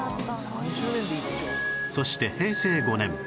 そして平成５年